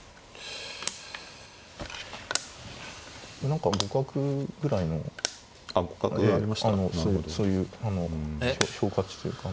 何か互角ぐらいのそういう評価値というか。